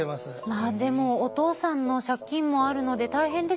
まあでもお父さんの借金もあるので大変ですよね。